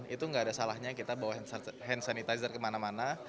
itu nggak ada salahnya kita bawa hand sanitizer kemana mana